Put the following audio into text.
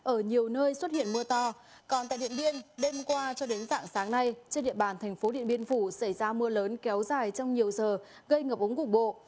ở nhiều nơi xuất hiện mưa to còn tại điện biên đêm qua cho đến dạng sáng nay trên địa bàn thành phố điện biên phủ xảy ra mưa lớn kéo dài trong nhiều giờ gây ngập ống cục bộ